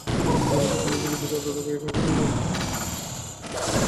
ইতিমধ্যে কুমু ধীরে ধীরে দাদার পায়ের কাছে এসে বসেছে।